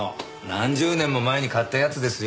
何十年も前に買ったやつですよ。